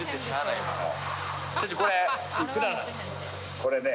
これね。